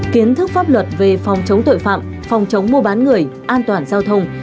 kiến thức pháp luật về phòng chống tội phạm phòng chống mua bán người an toàn giao thông